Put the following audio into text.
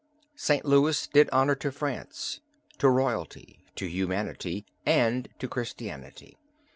St. Louis did honor to France, to royalty, to humanity, and to Christianity.